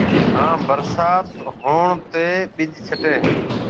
ھان ڀرسات ھوڻ تيَ ٻِج ڇٽَي ھيَََ